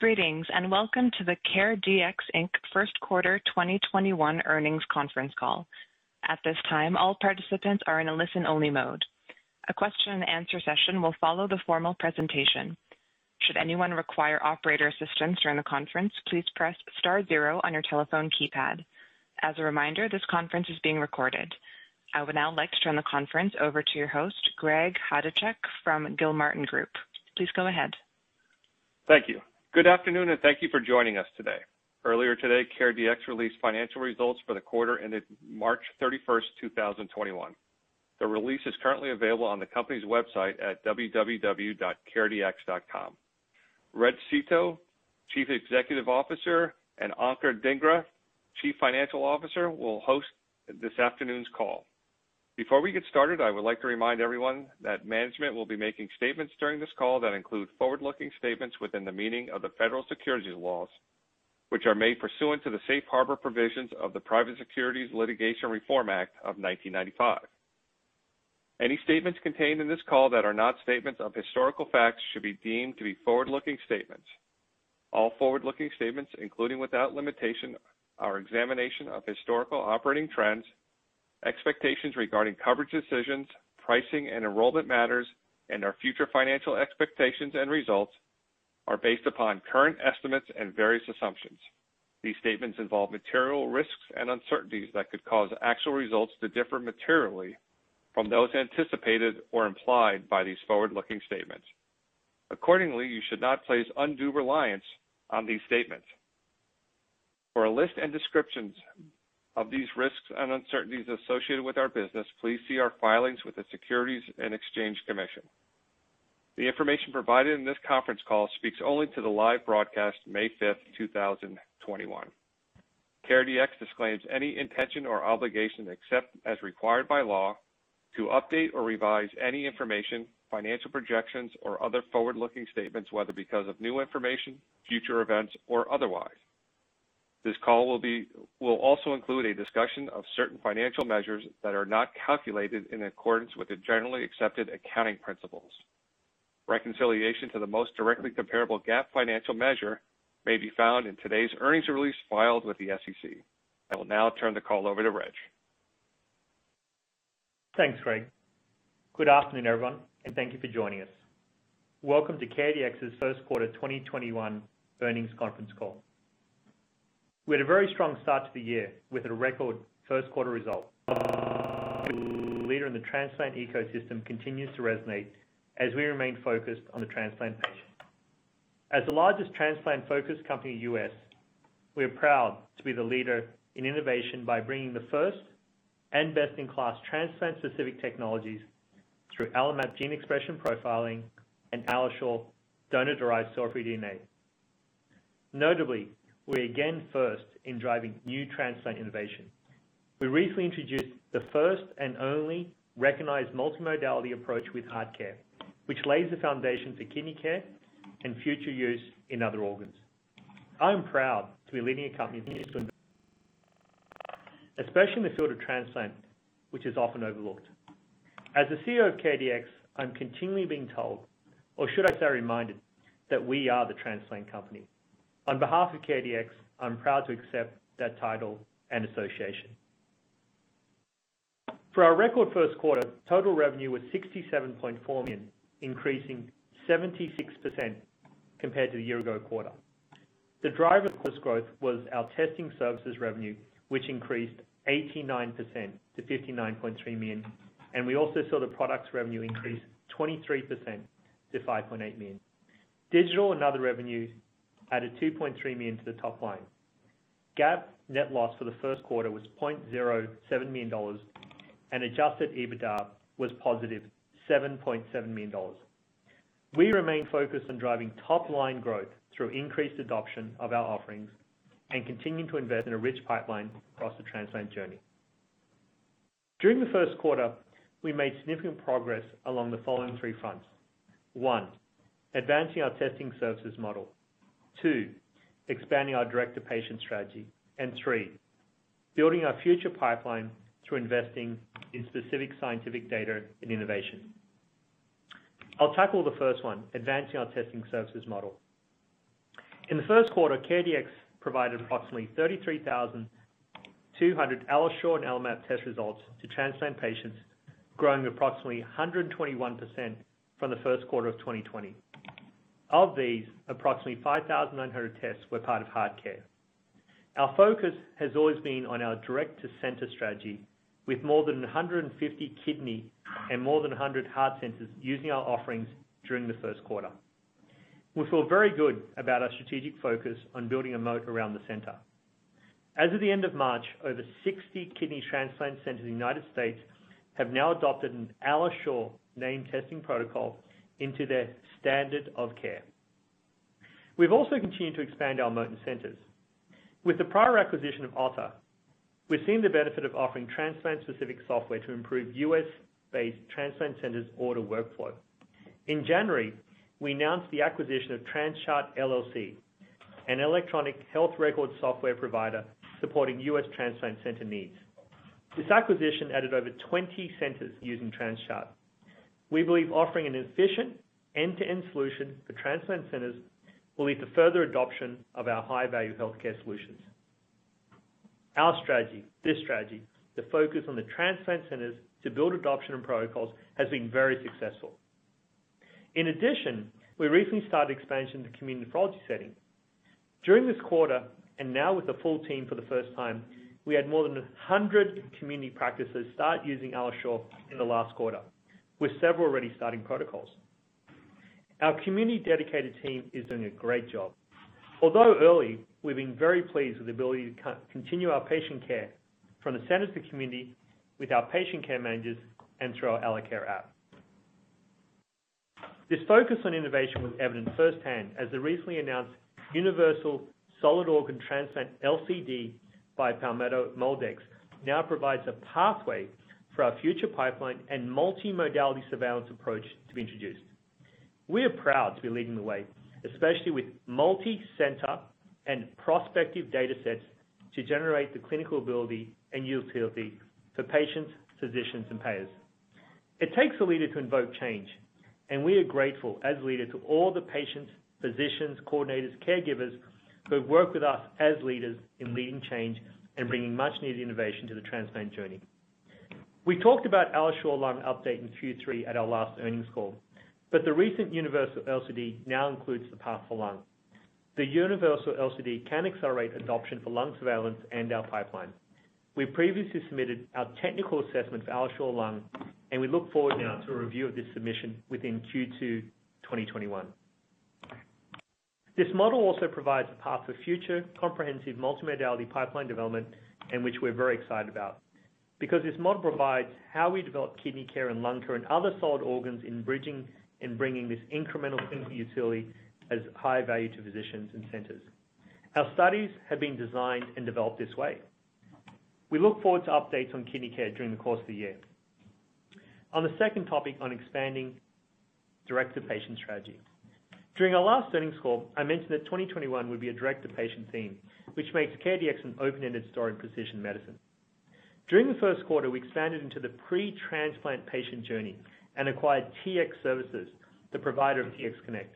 Greetings, welcome to the CareDx, Inc. first quarter 2021 earnings conference call. At this time, all participants are in a listen-only mode. A question and answer session will follow the formal presentation. Should anyone require operator assistance during the conference, please press star zero on your telephone keypad. As a reminder, this conference is being recorded. I would now like to turn the conference over to your host, Greg Chodaczek from Gilmartin Group. Please go ahead. Thank you. Good afternoon, and thank you for joining us today. Earlier today, CareDx released financial results for the quarter ended March 31st, 2021. The release is currently available on the company's website at www.caredx.com. Reg Seeto, Chief Executive Officer, and Ankur Dhingra, Chief Financial Officer, will host this afternoon's call. Before we get started, I would like to remind everyone that management will be making statements during this call that include forward-looking statements within the meaning of the Federal Securities laws, which are made pursuant to the Safe Harbor provisions of the Private Securities Litigation Reform Act of 1995. Any statements contained in this call that are not statements of historical facts should be deemed to be forward-looking statements. All forward-looking statements, including without limitation, our examination of historical operating trends, expectations regarding coverage decisions, pricing and enrollment matters, and our future financial expectations and results are based upon current estimates and various assumptions. These statements involve material risks and uncertainties that could cause actual results to differ materially from those anticipated or implied by these forward-looking statements. Accordingly, you should not place undue reliance on these statements. For a list and descriptions of these risks and uncertainties associated with our business, please see our filings with the Securities and Exchange Commission. The information provided in this conference call speaks only to the live broadcast May 5th, 2021. CareDx disclaims any intention or obligation, except as required by law, to update or revise any information, financial projections, or other forward-looking statements, whether because of new information, future events, or otherwise. This call will also include a discussion of certain financial measures that are not calculated in accordance with the generally accepted accounting principles. Reconciliation to the most directly comparable GAAP financial measure may be found in today's earnings release filed with the SEC. I will now turn the call over to Reg. Thanks, Greg. Good afternoon, everyone, thank you for joining us. Welcome to CareDx's first quarter 2021 earnings conference call. We had a very strong start to the year with a record first quarter result. Leader in the transplant ecosystem continues to resonate as we remain focused on the transplant patient. As the largest transplant-focused company in the U.S., we are proud to be the leader in innovation by bringing the first and best in class transplant specific technologies through AlloMap gene expression profiling and AlloSure donor-derived cell-free DNA. Notably, we're again first in driving new transplant innovation. We recently introduced the first and only recognized multimodality approach with HeartCare, which lays the foundation for KidneyCare and future use in other organs. I'm proud to be leading a company especially in the field of transplant which is often overlooked. As the CEO of CareDx, I'm continually being told, or should I say reminded, that we are the transplant company. On behalf of CareDx, I'm proud to accept that title and association. For our record first quarter, total revenue was $67.4 million, increasing 76% compared to the year-ago quarter. The driver of this growth was our testing services revenue, which increased 89% to $59.3 million, and we also saw the products revenue increase 23% to $5.8 million. Digital and other revenues added $2.3 million to the top line. GAAP net loss for the first quarter was $0.07 million, and adjusted EBITDA was positive $7.7 million. We remain focused on driving top line growth through increased adoption of our offerings and continuing to invest in a rich pipeline across the transplant journey. During the first quarter, we made significant progress along the following three fronts. One, advancing our testing services model. Two, expanding our direct-to-patient strategy. Three, building our future pipeline through investing in specific scientific data and innovation. I'll tackle the first one, advancing our testing services model. In the first quarter, CareDx provided approximately 33,200 AlloSure and AlloMap test results to transplant patients, growing approximately 121% from the first quarter of 2020. Of these, approximately 5,900 tests were part of HeartCare. Our focus has always been on our direct-to-center strategy, with more than 150 kidney and more than 100 heart centers using our offerings during the first quarter. We feel very good about our strategic focus on building a moat around the center. As of the end of March, over 60 kidney transplant centers in the U.S. have now adopted an AlloSure testing protocol into their standard of care. We've also continued to expand our moat in centers. With the prior acquisition of OTTR, we've seen the benefit of offering transplant specific software to improve U.S.-based transplant centers order workflow. In January, we announced the acquisition of TransChart LLC, an electronic health record software provider supporting U.S. transplant center needs. This acquisition added over 20 centers using TransChart. We believe offering an efficient end-to-end solution for transplant centers will lead to further adoption of our high-value healthcare solutions. Our strategy, the focus on the transplant centers to build adoption and protocols, has been very successful. In addition, we recently started expansion into community nephrology setting. During this quarter, and now with the full team for the first time, we had more than 100 community practices start using AlloSure in the last quarter, with several already starting protocols. Our community-dedicated team is doing a great job. Although early, we've been very pleased with the ability to continue our patient care from the center to community with our patient care managers and through our AlloCare app. This focus on innovation was evident firsthand as the recently announced universal solid organ transplant LCD by Palmetto MolDx now provides a pathway for our future pipeline and multimodality surveillance approach to be introduced. We are proud to be leading the way, especially with multi-center and prospective data sets to generate the clinical ability and utility for patients, physicians, and payers. It takes a leader to invoke change. We are grateful as a leader to all the patients, physicians, coordinators, caregivers who have worked with us as leaders in leading change and bringing much-needed innovation to the transplant journey. We talked about AlloSure Lung update in Q3 at our last earnings call. The recent universal LCD now includes the path for lung. The universal LCD can accelerate adoption for lung surveillance and our pipeline. We previously submitted our technical assessment for AlloSure Lung. We look forward now to a review of this submission within Q2 2021. This model also provides a path for future comprehensive multimodality pipeline development and which we're very excited about because this model provides how we develop KidneyCare and lung care and other solid organs in bridging and bringing this incremental utility as high value to physicians and centers. Our studies have been designed and developed this way. We look forward to updates on KidneyCare during the course of the year. The second topic on expanding direct-to-patient strategy. During our last earnings call, I mentioned that 2021 would be a direct-to-patient theme, which makes CareDx an open-ended story in precision medicine. During the first quarter, we expanded into the pre-transplant patient journey and acquired TX Services, the provider of TX Connect.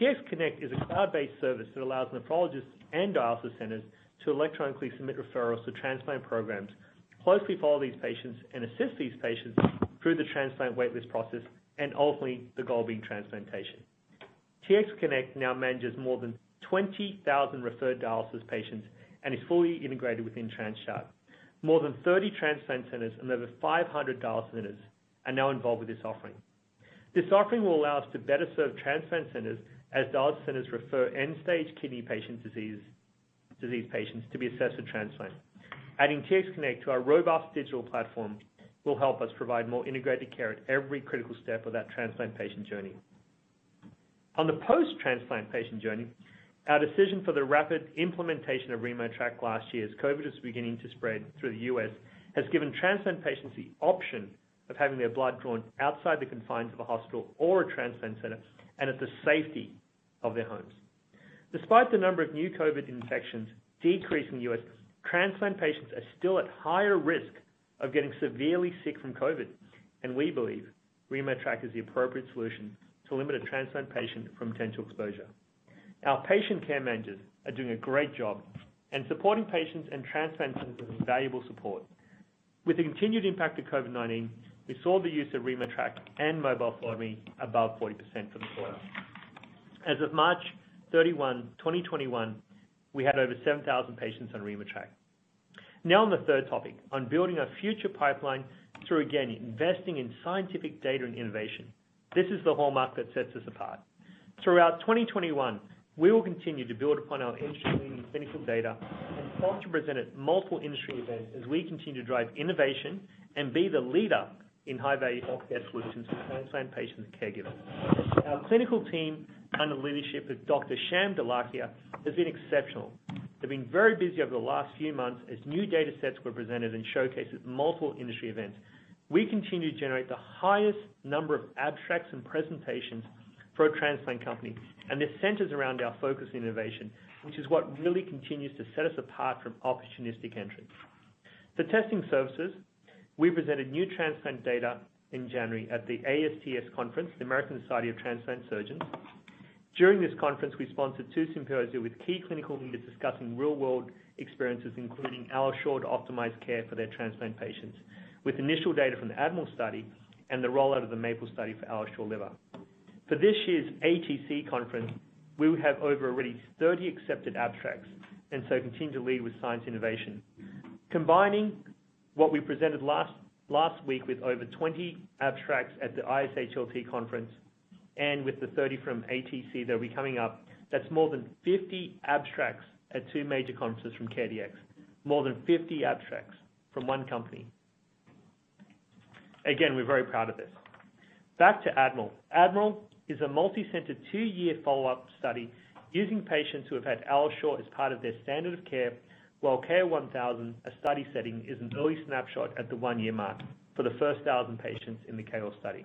TX Connect is a cloud-based service that allows nephrologists and dialysis centers to electronically submit referrals to transplant programs, closely follow these patients, and assist these patients through the transplant wait list process, and ultimately, the goal being transplantation. TX Connect now manages more than 20,000 referred dialysis patients and is fully integrated within TransChart. More than 30 transplant centers and over 500 dialysis centers are now involved with this offering. This offering will allow us to better serve transplant centers as dialysis centers refer end-stage kidney disease patients to be assessed for transplant. Adding TX Connect to our robust digital platform will help us provide more integrated care at every critical step of that transplant patient journey. On the post-transplant patient journey, our decision for the rapid implementation of RemoTraC last year as COVID was beginning to spread through the U.S. has given transplant patients the option of having their blood drawn outside the confines of a hospital or a transplant center and at the safety of their homes. Despite the number of new COVID infections decreasing in the U.S., transplant patients are still at higher risk of getting severely sick from COVID, and we believe RemoTraC is the appropriate solution to limit a transplant patient from potential exposure. Our patient care managers are doing a great job in supporting patients and transplant centers with invaluable support. With the continued impact of COVID-19, we saw the use of RemoTraC and mobile phlebotomy above 40% for the quarter. As of March 31st, 2021, we had over 7,000 patients on RemoTraC. On the third topic, on building our future pipeline through, again, investing in scientific data and innovation. This is the hallmark that sets us apart. Throughout 2021, we will continue to build upon our industry-leading clinical data and hope to present at multiple industry events as we continue to drive innovation and be the leader in high-value healthcare solutions for transplant patients and caregivers. Our clinical team, under the leadership of Dr. Sham Dholakia, has been exceptional. They've been very busy over the last few months as new data sets were presented and showcased at multiple industry events. We continue to generate the highest number of abstracts and presentations for a transplant company, this centers around our focus innovation, which is what really continues to set us apart from opportunistic entrants. For testing services, we presented new transplant data in January at the ASTS conference, the American Society of Transplant Surgeons. During this conference, we sponsored two symposia with key clinical leaders discussing real-world experiences including AlloSure to optimize care for their transplant patients with initial data from the ADMIRAL study and the rollout of the MAPLE study for AlloSure Liver. For this year's ATC conference, we will have over really 30 accepted abstracts, continue to lead with science innovation. Combining what we presented last week with over 20 abstracts at the ISHLT conference and with the 30 from ATC that will be coming up, that's more than 50 abstracts at two major conferences from CareDx. More than 50 abstracts from one company. Again, we're very proud of this. Back to ADMIRAL. ADMIRAL is a multi-center two-year follow-up study using patients who have had AlloSure as part of their standard of care, while KOAR-1000, a study setting, is an early snapshot at the one-year mark for the first 1,000 patients in the KOAR study.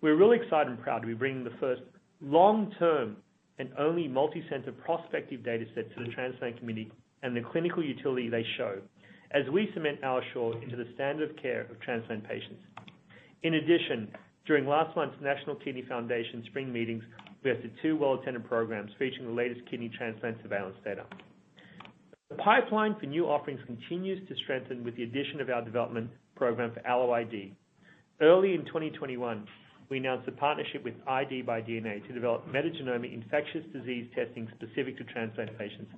We're really excited and proud to be bringing the first long-term and only multi-center prospective data set to the transplant community and the clinical utility they show as we cement AlloSure into the standard of care of transplant patients. In addition, during last month's National Kidney Foundation spring meetings, we hosted two well-attended programs featuring the latest kidney transplant surveillance data. The pipeline for new offerings continues to strengthen with the addition of our development program for AlloID. Early in 2021, we announced a partnership with IDbyDNA to develop metagenomic infectious disease testing specific to transplant patients.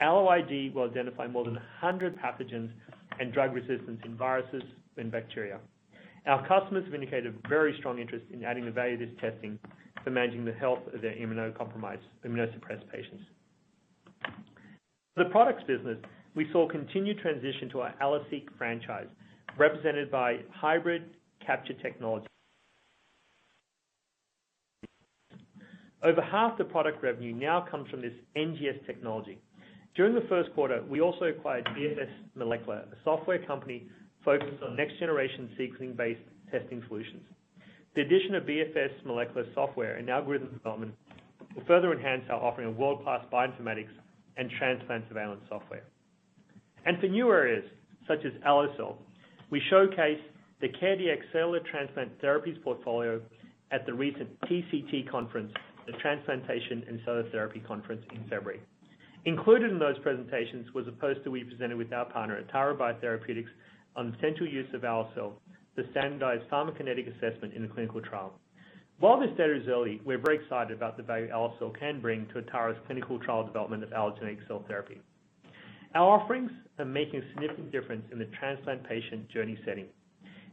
AlloID will identify more than 100 pathogens and drug resistance in viruses and bacteria. Our customers have indicated very strong interest in adding the value of this testing to managing the health of their immunocompromised, immunosuppressed patients. The products business, we saw continued transition to our AlloSeq franchise, represented by hybrid capture technology. Over half the product revenue now comes from this NGS technology. During the first quarter, we also acquired BFS Molecular, a software company focused on next generation sequencing-based testing solutions. The addition of BFS Molecular software and algorithm development will further enhance our offering of world-class bioinformatics and transplant surveillance software. For new areas such as AlloCell, we showcase the CareDx cellular transplant therapies portfolio at the recent TCT conference, the Transplantation and Cellular Therapy conference in February. Included in those presentations was a poster we presented with our partner, Atara Biotherapeutics, on the potential use of AlloCell to standardize pharmacokinetic assessment in a clinical trial. While this data is early, we're very excited about the value AlloCell can bring to Atara's clinical trial development of allogeneic cell therapy. Our offerings are making a significant difference in the transplant patient journey setting.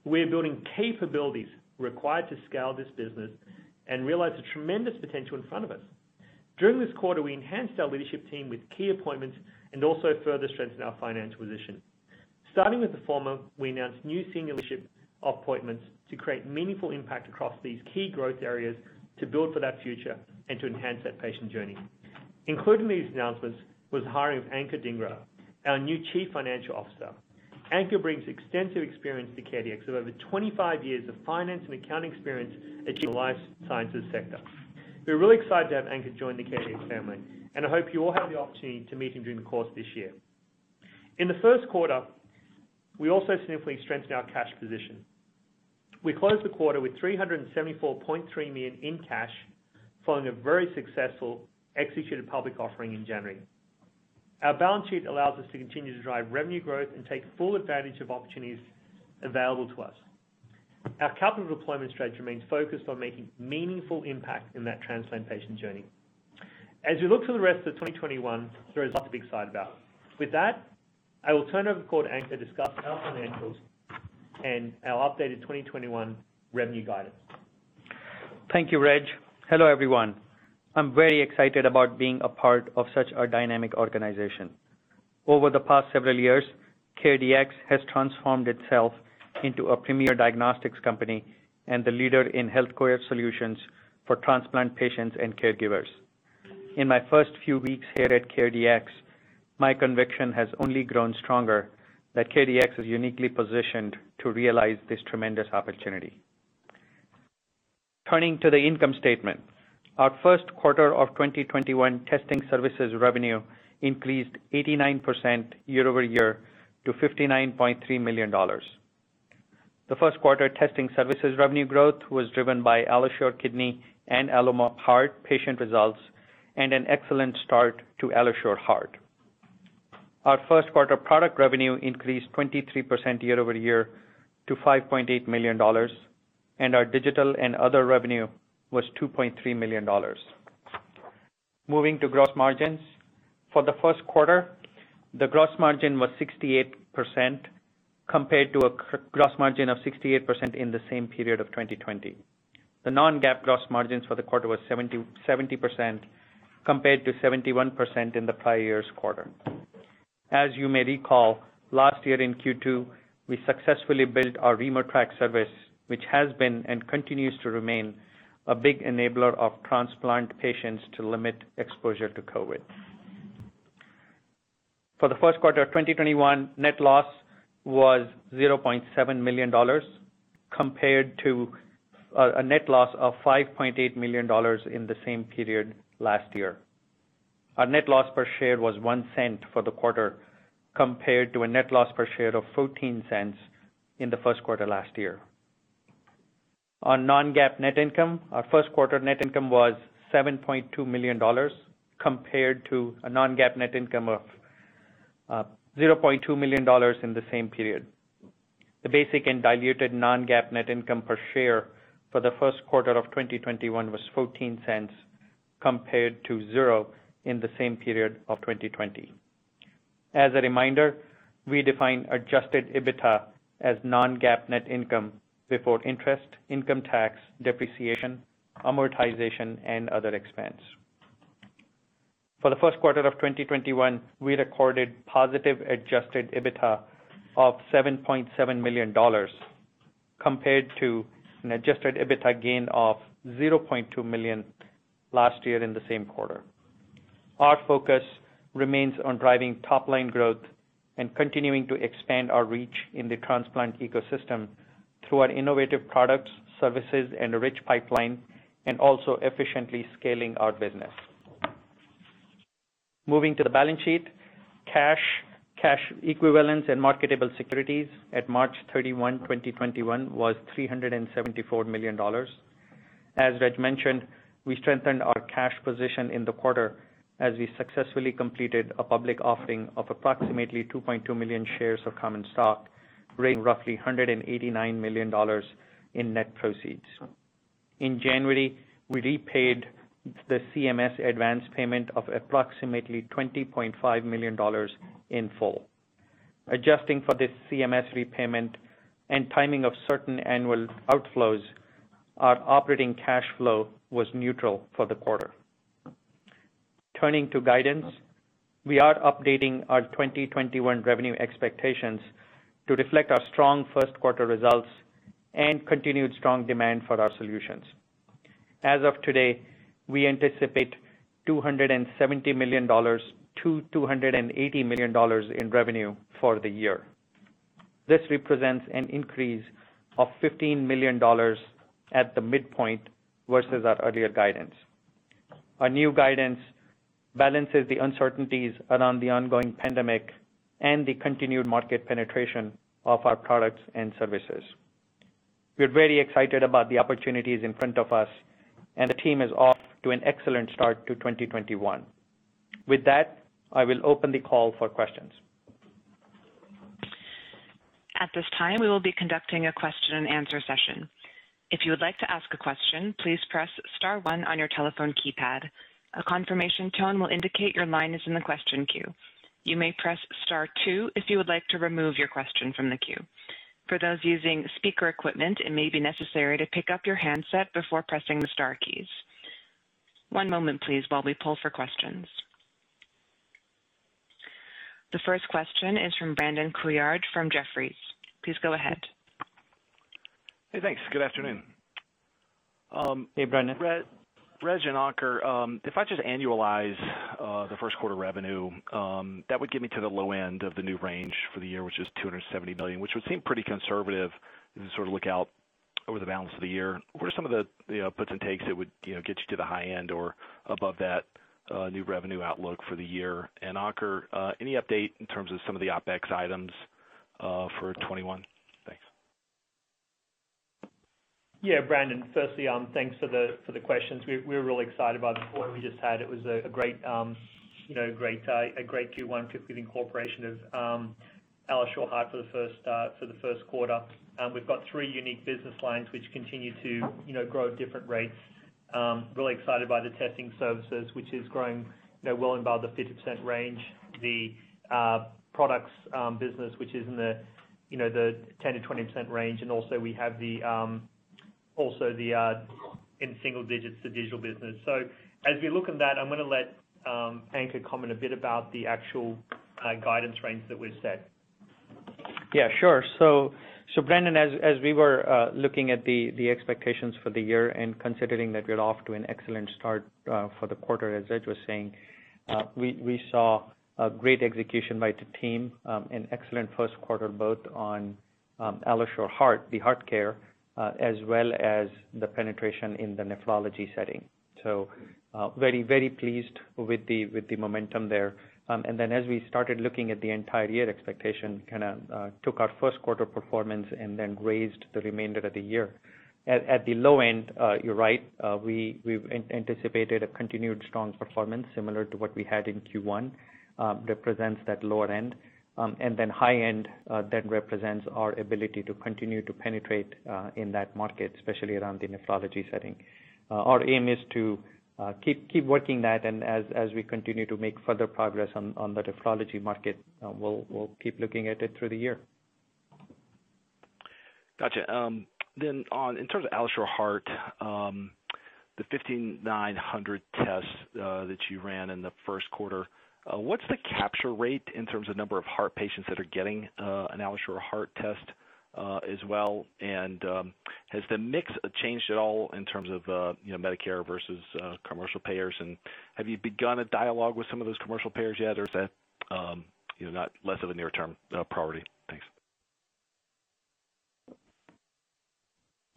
We are building capabilities required to scale this business and realize the tremendous potential in front of us. During this quarter, we enhanced our leadership team with key appointments and also further strengthened our financial position. Starting with the former, we announced new senior leadership appointments to create meaningful impact across these key growth areas, to build for that future, and to enhance that patient journey. Included in these announcements was the hiring of Ankur Dhingra, our new Chief Financial Officer. Ankur brings extensive experience to CareDx with over 25 years of finance and accounting experience achieved in the life sciences sector. We're really excited to have Ankur join the CareDx family, and I hope you all have the opportunity to meet him during the course of this year. In the first quarter, we also significantly strengthened our cash position. We closed the quarter with $374.3 million in cash, following a very successful executed public offering in January. Our balance sheet allows us to continue to drive revenue growth and take full advantage of opportunities available to us. Our capital deployment strategy remains focused on making meaningful impact in that transplant patient journey. As we look to the rest of 2021, there is lots to be excited about. With that, I will turn over the call to Ankur to discuss our financials and our updated 2021 revenue guidance. Thank you, Reg. Hello, everyone. I'm very excited about being a part of such a dynamic organization. Over the past several years, CareDx has transformed itself into a premier diagnostics company and the leader in healthcare solutions for transplant patients and caregivers. In my first few weeks here at CareDx, my conviction has only grown stronger that CareDx is uniquely positioned to realize this tremendous opportunity. Turning to the income statement. Our first quarter of 2021 testing services revenue increased 89% year-over-year to $59.3 million. The first quarter testing services revenue growth was driven by AlloSure Kidney and AlloMap Heart patient results and an excellent start to AlloSure Heart. Our first quarter product revenue increased 23% year-over-year to $5.8 million, and our digital and other revenue was $2.3 million. Moving to gross margins. For the first quarter, the gross margin was 68% compared to a gross margin of 68% in the same period of 2020. The non-GAAP gross margins for the quarter were 70% compared to 71% in the prior year's quarter. As you may recall, last year in Q2, we successfully built our RemoTraC service, which has been and continues to remain a big enabler of transplant patients to limit exposure to COVID. For the first quarter of 2021, net loss was $0.7 million compared to a net loss of $5.8 million in the same period last year. Our net loss per share was $0.01 for the quarter, compared to a net loss per share of $0.14 in the first quarter last year. On non-GAAP net income, our first quarter net income was $7.2 million, compared to a non-GAAP net income of $0.2 million in the same period. The basic and diluted non-GAAP net income per share for the first quarter of 2021 was $0.14 compared to zero in the same period of 2020. As a reminder, we define adjusted EBITDA as non-GAAP net income before interest, income tax, depreciation, amortization and other expense. For the first quarter of 2021, we recorded positive adjusted EBITDA of $7.7 million compared to an adjusted EBITDA gain of $0.2 million last year in the same quarter. Our focus remains on driving top-line growth and continuing to expand our reach in the transplant ecosystem through our innovative products, services, and a rich pipeline, and also efficiently scaling our business. Moving to the balance sheet, cash equivalents, and marketable securities at March 31, 2021, was $374 million. As Reg mentioned, we strengthened our cash position in the quarter as we successfully completed a public offering of approximately 2.2 million shares of common stock, raising roughly $189 million in net proceeds. In January, we repaid the CMS advance payment of approximately $20.5 million in full. Adjusting for this CMS repayment and timing of certain annual outflows, our operating cash flow was neutral for the quarter. Turning to guidance, we are updating our 2021 revenue expectations to reflect our strong first quarter results and continued strong demand for our solutions. As of today, we anticipate $270 million-$280 million in revenue for the year. This represents an increase of $15 million at the midpoint versus our earlier guidance. Our new guidance balances the uncertainties around the ongoing pandemic and the continued market penetration of our products and services. We're very excited about the opportunities in front of us. The team is off to an excellent start to 2021. With that, I will open the call for questions. At this time, we will be conducting a question and answer session. If you would like to ask a question, please press star one on your telephone keypad. A confirmation tone will indicate your line is in the question queue. You may press star two if you would like to remove your question from the queue. For those using speaker equipment, it may be necessary to pick up your handset before pressing the star keys. One moment please, while we poll for questions. The first question is from Brandon Couillard from Jefferies. Please go ahead. Hey, thanks. Good afternoon. Hey, Brandon. Reg and Ankur, if I just annualize the first quarter revenue, that would get me to the low end of the new range for the year, which is $270 million, which would seem pretty conservative as you sort of look out over the balance of the year. What are some of the puts and takes that would get you to the high end or above that new revenue outlook for the year? Ankur, any update in terms of some of the OPEX items for 2021? Thanks. Yeah, Brandon. Firstly, thanks for the questions. We're really excited about the quarter we just had. It was a great Q1, particularly the incorporation of AlloSure Heart for the first quarter. We've got three unique business lines which continue to grow at different rates. Really excited by the testing services, which is growing well above the 50% range. The products business, which is in the 10%-20% range, and also we have in single digits, the digital business. As we look at that, I'm going to let Ankur comment a bit about the actual guidance range that we've set. Yeah, sure. Brandon, as we were looking at the expectations for the year and considering that we're off to an excellent start for the quarter, as Reg was saying, we saw a great execution by the team, an excellent first quarter, both on AlloSure Heart, the HeartCare, as well as the penetration in the nephrology setting. Very, very pleased with the momentum there. As we started looking at the entire year expectation, took our first quarter performance and then raised the remainder of the year. At the low end, you're right, we've anticipated a continued strong performance similar to what we had in Q1, represents that lower end. High end, that represents our ability to continue to penetrate in that market, especially around the nephrology setting. Our aim is to keep working that and as we continue to make further progress on the nephrology market, we'll keep looking at it through the year. Got you. In terms of AlloSure Heart, the 1,500 tests that you ran in the first quarter, what's the capture rate in terms of number of heart patients that are getting an AlloSure Heart test as well? Has the mix changed at all in terms of Medicare versus commercial payers? Have you begun a dialogue with some of those commercial payers yet? Is that less of a near-term priority? Thanks.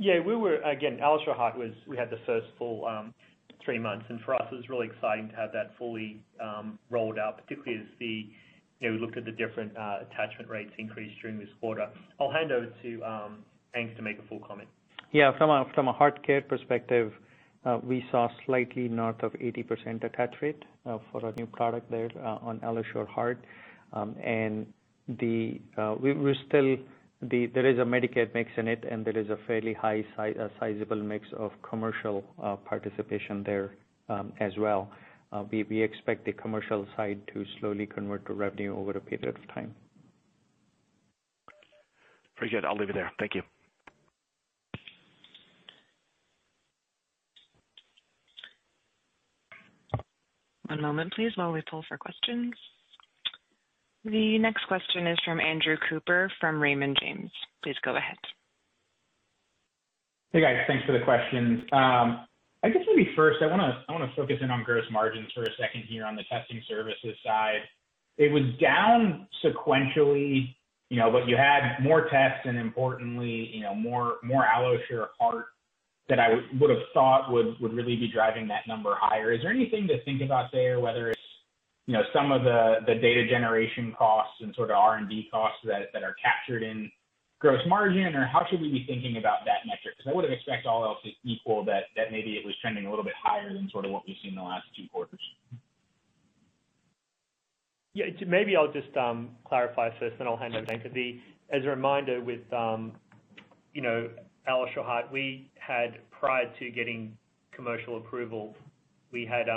Again, AlloSure Heart, we had the first full three months, and for us, it was really exciting to have that fully rolled out, particularly as we looked at the different attachment rates increase during this quarter. I'll hand over to Anks to make a full comment. Yeah, from a HeartCare perspective, we saw slightly north of 80% attach rate for our new product there on AlloSure Heart. There is a Medicaid mix in it, and there is a fairly high sizable mix of commercial participation there as well. We expect the commercial side to slowly convert to revenue over a period of time. Appreciate it. I'll leave it there. Thank you. One moment, please, while we poll for questions. The next question is from Andrew Cooper from Raymond James. Please go ahead. Hey, guys. Thanks for the question. I guess maybe first, I want to focus in on gross margins for a second here on the testing services side. You had more tests and importantly, more AlloSure Heart than I would've thought would really be driving that number higher. Is there anything to think about there, whether it's some of the data generation costs and sort of R&D costs that are captured in gross margin? How should we be thinking about that metric? I would've expect all else is equal, that maybe it was trending a little bit higher than sort of what we've seen in the last two quarters. Yeah. Maybe I'll just clarify first, then I'll hand over to Ankur. As a reminder with AlloSure Heart, prior to getting commercial approval, we had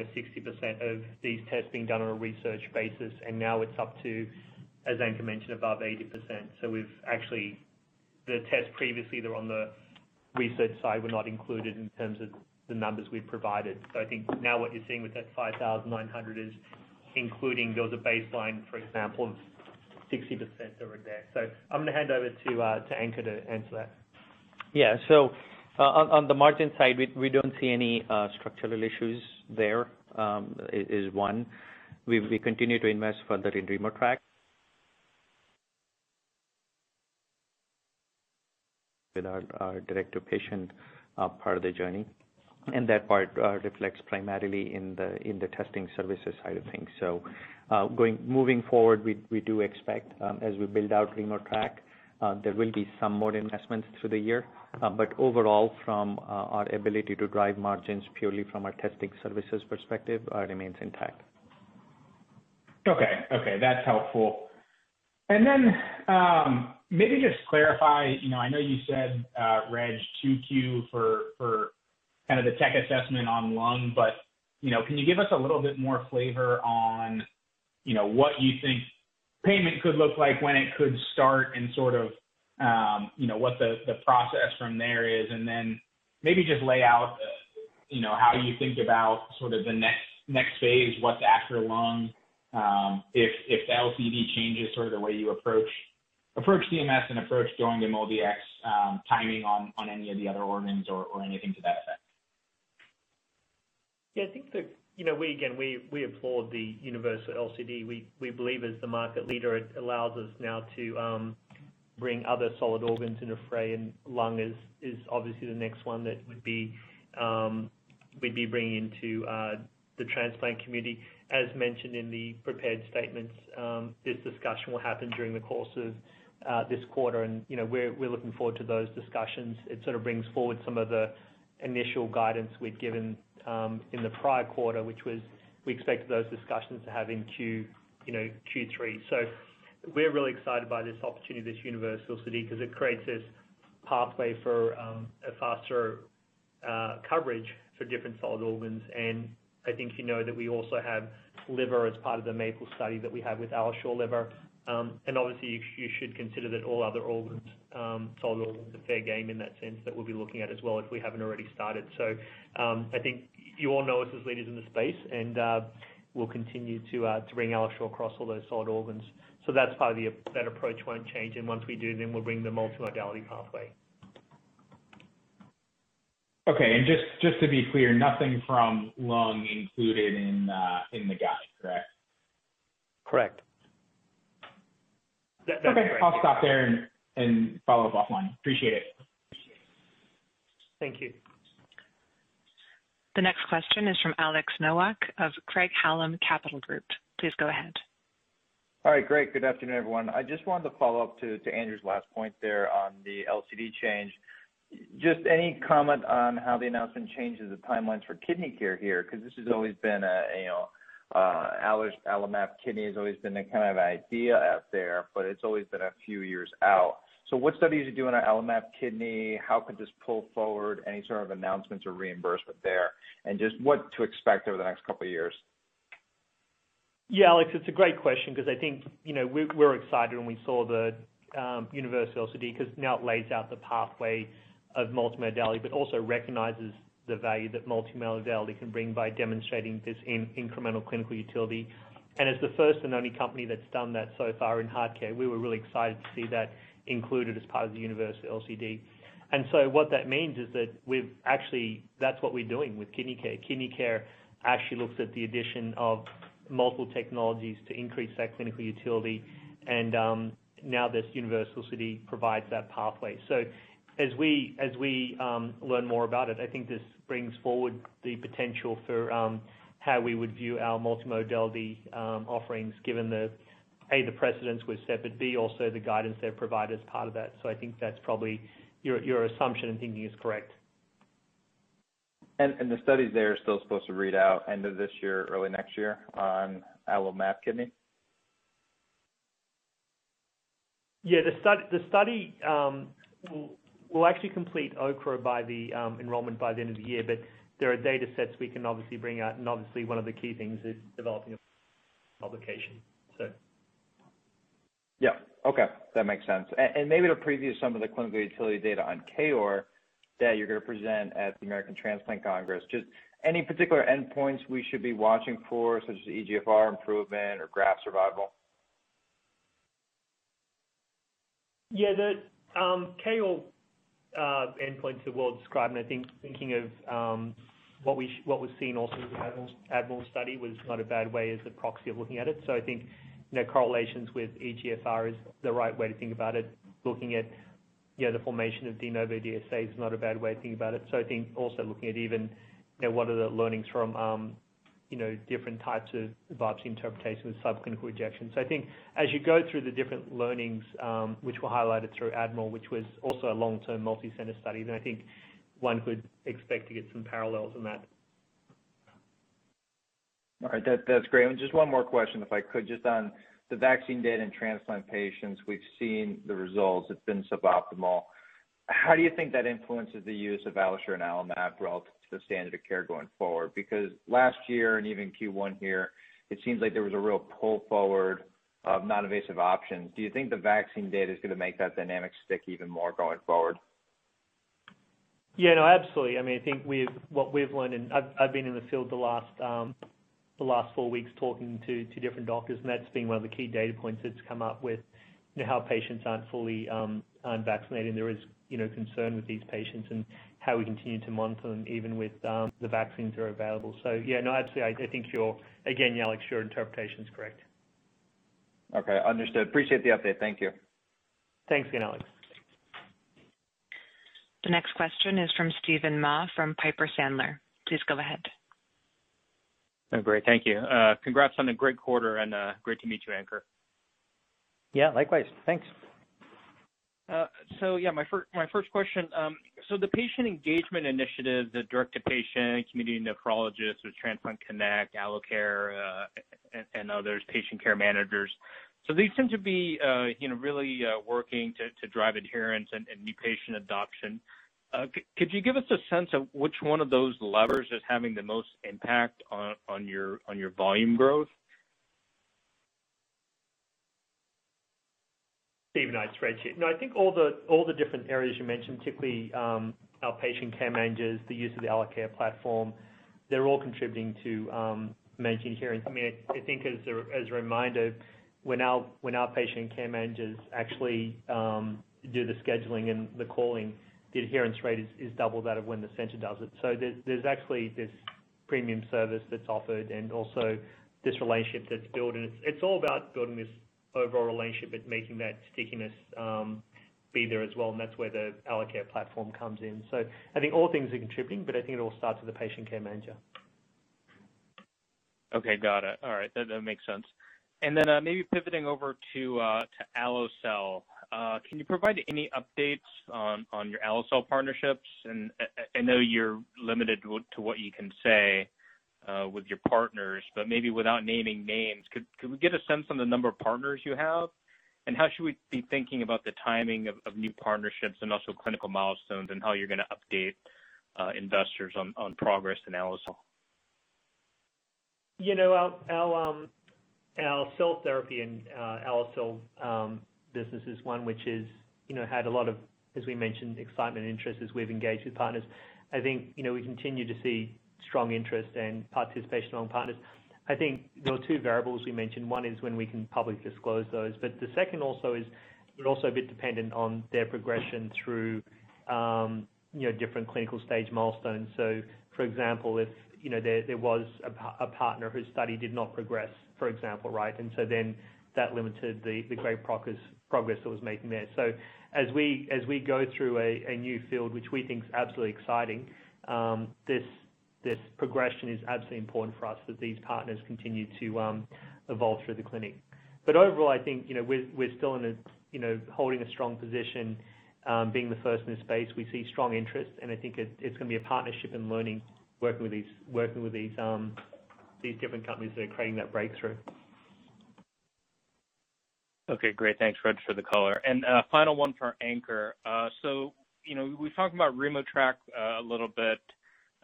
60% of these tests being done on a research basis, and now it's up to, as Ankur mentioned, above 80%. Actually, the tests previously that were on the research side were not included in terms of the numbers we've provided. I think now what you're seeing with that 5,900 is including build a baseline, for example, of 60% over there. I'm going to hand over to Ankur to answer that. Yeah. On the margin side, we don't see any structural issues there. Is one. We continue to invest further in RemoTraC with our direct-to-patient part of the journey, and that part reflects primarily in the testing services side of things. Moving forward, we do expect, as we build out RemoTraC, there will be some more investments through the year. Overall, from our ability to drive margins purely from a testing services perspective, remains intact. Okay. That's helpful. Maybe just clarify, I know you said, Reg 2Q for kind of the tech assessment on lung, but can you give us a little bit more flavor on what you think payment could look like, when it could start, and sort of what the process from there is? Maybe just lay out how you think about sort of the next phase, what's after lung, if the LCD changes sort of the way you approach CMS and approach doing the MolDx timing on any of the other organs or anything to that effect. Yeah, I think again, we applaud the universal LCD. We believe as the market leader, it allows us now to bring other solid organs into fray, and lung is obviously the next one that we'd be bringing into the transplant community. As mentioned in the prepared statements, this discussion will happen during the course of this quarter and we're looking forward to those discussions. It sort of brings forward some of the initial guidance we'd given in the prior quarter, which was we expected those discussions to have in Q3. We're really excited by this opportunity, this universal LCD, because it creates this pathway for a faster coverage for different solid organs. I think you know that we also have liver as part of the MAPLE study that we have with AlloSure Liver. Obviously, you should consider that all other solid organs are fair game in that sense that we'll be looking at as well if we haven't already started. I think you all know us as leaders in the space and we'll continue to bring AlloSure across all those solid organs. That's part of that approach won't change, and once we do, then we'll bring the multimodality pathway. Okay. Just to be clear, nothing from lung included in the guide, correct? Correct. Okay. I'll stop there and follow up offline. Appreciate it. Thank you. The next question is from Alex Nowak of Craig-Hallum Capital Group. Please go ahead. All right. Great. Good afternoon, everyone. I just wanted to follow up to Andrew's last point there on the LCD change. Just any comment on how the announcement changes the timelines for KidneyCare here? AlloMap Kidney has always been a kind of idea out there, but it's always been a few years out. What studies are you doing on AlloMap Kidney? How could this pull forward any sort of announcements or reimbursement there? Just what to expect over the next couple of years? Yeah, Alex, it's a great question because I think, we were excited when we saw the universal LCD because now it lays out the pathway of multimodality, but also recognizes the value that multimodality can bring by demonstrating this incremental clinical utility. As the first and only company that's done that so far in HeartCare, we were really excited to see that included as part of the universal LCD. What that means is that actually, that's what we're doing with KidneyCare. KidneyCare actually looks at the addition of multiple technologies to increase that clinical utility. Now this universal LCD provides that pathway. As we learn more about it, I think this brings forward the potential for how we would view our multimodality offerings given the, A, the precedence with separate B, also the guidance they provide as part of that. I think that's probably your assumption and thinking is correct. The studies there are still supposed to read out end of this year, early next year on AlloMap Kidney? Yeah. The study will actually complete accrual by the enrollment by the end of the year, but there are data sets we can obviously bring out, and obviously one of the key things is developing a publication. Yeah. Okay. That makes sense. Maybe to preview some of the clinical utility data on KOAR that you're going to present at the American Transplant Congress, just any particular endpoints we should be watching for, such as the eGFR improvement or graft survival? Yeah. The KOAR endpoint's well-described, and I think thinking of what we've seen also with the ADMIRAL study was not a bad way as a proxy of looking at it. I think correlations with EGFR is the right way to think about it. Looking at the formation of de novo DSA is not a bad way to think about it. I think also looking at even what are the learnings from different types of biopsy interpretation with subclinical rejection. I think as you go through the different learnings, which were highlighted through ADMIRAL, which was also a long-term multi-center study, then I think one could expect to get some parallels in that. That's great. Just one more question, if I could, just on the vaccine data in transplant patients. We've seen the results. It's been suboptimal. How do you think that influences the use of AlloSure and AlloMap relative to the standard of care going forward? Last year, and even Q1 here, it seems like there was a real pull forward of non-invasive options. Do you think the vaccine data is going to make that dynamic stick even more going forward? Yeah. No, absolutely. I think what we've learned, and I've been in the field the last four weeks talking to different doctors, and that's been one of the key data points that's come up with how patients aren't fully unvaccinated, and there is concern with these patients and how we continue to monitor them even with the vaccines that are available. Yeah, no, absolutely. I think, again, Alex, your interpretation is correct. Okay. Understood. Appreciate the update. Thank you. Thanks again, Alex. The next question is from Steven Mah from Piper Sandler. Please go ahead. Great. Thank you. Congrats on a great quarter and great to meet you, Ankur. Yeah, likewise. Thanks. My first question. The patient engagement initiative, the direct-to-patient, community nephrologists with TX Connect, AlloCare, and other patient care managers. These seem to be really working to drive adherence and new patient adoption. Could you give us a sense of which one of those levers is having the most impact on your volume growth? Steven, hi, it's Reg here. I think all the different areas you mentioned, particularly our patient care managers, the use of the AlloCare platform, they're all contributing to managing adherence. I think as a reminder, when our patient care managers actually do the scheduling and the calling, the adherence rate is double that of when the center does it. There's actually this premium service that's offered and also this relationship that's built, and it's all about building this overall relationship and making that stickiness be there as well, and that's where the AlloCare platform comes in. I think all things are contributing, but I think it all starts with the patient care manager. Okay, got it. All right. That makes sense. Maybe pivoting over to AlloCell. Can you provide any updates on your AlloCell partnerships? I know you're limited to what you can say with your partners, maybe without naming names, could we get a sense on the number of partners you have? How should we be thinking about the timing of new partnerships and also clinical milestones and how you're going to update investors on progress in AlloCell? Our cell therapy and AlloCell business is one which has had a lot of, as we mentioned, excitement and interest as we've engaged with partners. I think we continue to see strong interest and participation on partners. I think there are two variables we mentioned. One is when we can publicly disclose those, the second also is it also a bit dependent on their progression through different clinical stage milestones. For example, if there was a partner whose study did not progress, for example, right? That limited the great progress that was made there. As we go through a new field, which we think is absolutely exciting, this progression is absolutely important for us that these partners continue to evolve through the clinic. Overall, I think we're still holding a strong position. Being the first in the space, we see strong interest, and I think it's going to be a partnership in learning, working with these different companies that are creating that breakthrough. Okay, great. Thanks, Reg, for the color. A final one for Ankur. We've talked about RemoTraC a little bit.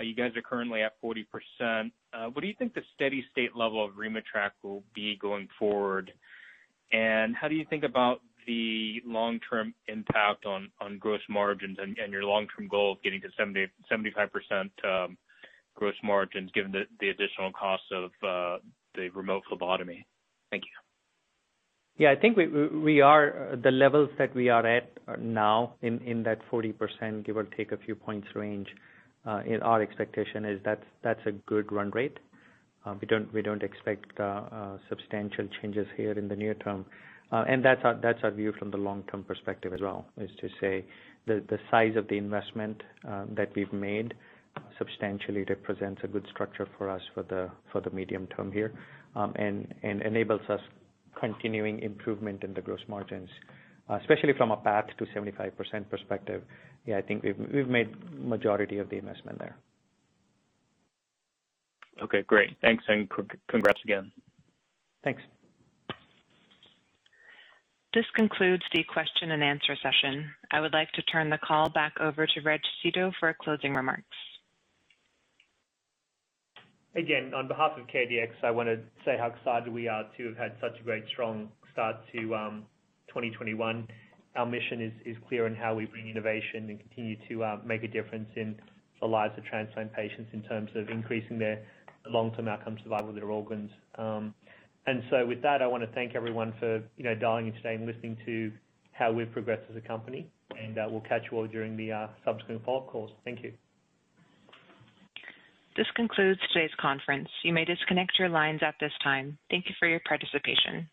You guys are currently at 40%. What do you think the steady state level of RemoTraC will be going forward? How do you think about the long-term impact on gross margins and your long-term goal of getting to 75% gross margins, given the additional cost of the mobile phlebotomy? Thank you. I think the levels that we are at now in that 40%, give or take a few points range, our expectation is that's a good run rate. We don't expect substantial changes here in the near term. That's our view from the long-term perspective as well, is to say the size of the investment that we've made substantially represents a good structure for us for the medium term here and enables us continuing improvement in the gross margins, especially from a path to 75% perspective. I think we've made majority of the investment there. Okay, great. Thanks, and congrats again. Thanks. This concludes the question and answer session. I would like to turn the call back over to Reg Seeto for closing remarks. Again, on behalf of CareDx, I want to say how excited we are to have had such a great strong start to 2021. Our mission is clear in how we bring innovation and continue to make a difference in the lives of transplant patients in terms of increasing their long-term outcome survival of their organs. With that, I want to thank everyone for dialing in today and listening to how we've progressed as a company, and we'll catch you all during the subsequent follow-up calls. Thank you. This concludes today's conference. You may disconnect your lines at this time. Thank you for your participation.